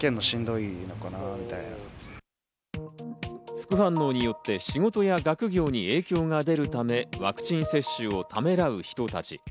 副反応によって仕事や学業に影響が出るためワクチン接種をためらう人たち。